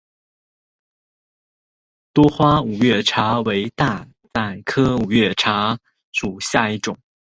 多花五月茶为大戟科五月茶属下的一个种。